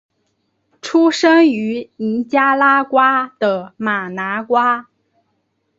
出生于尼加拉瓜的马拿瓜。